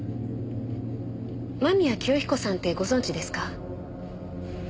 間宮清彦さんってご存じですか？